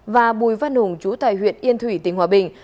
và bùi văn hùng chú tại huyện yên thủy tỉnh hòa bình